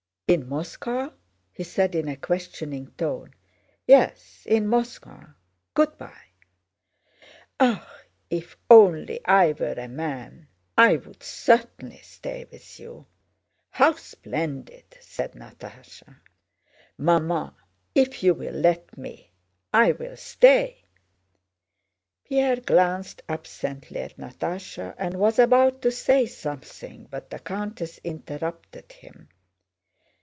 "In Moscow?" he said in a questioning tone. "Yes, in Moscow. Good by!" "Ah, if only I were a man! I'd certainly stay with you. How splendid!" said Natásha. "Mamma, if you'll let me, I'll stay!" Pierre glanced absently at Natásha and was about to say something, but the countess interrupted him.